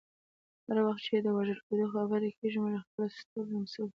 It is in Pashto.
هر وخت چې د وژل کیدو خبره کیږي، موږ خپل ستوري لمسوو.